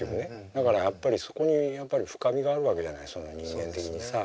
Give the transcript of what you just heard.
だからやっぱりそこにやっぱり深みがあるわけじゃないその人間的にさ。